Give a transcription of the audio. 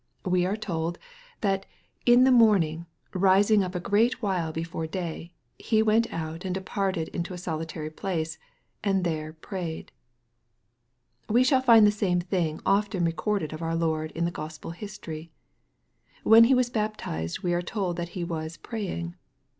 We are told, that " in the morning, rising up a great while before day, He went out and departed into a solitary place, and there prayed." We shall find the same thing often recorded of our Lord in the Gospel history. When He was baptized, we are told that He was " praying."